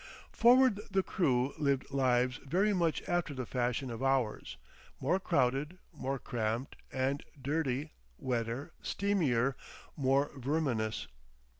Forward the crew lived lives very much after the fashion of ours, more crowded, more cramped and dirty, wetter, steamier, more verminous.